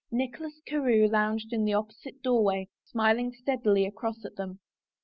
Nicholas Carewe lounged in an opposite doorway, smiling steadily across at them.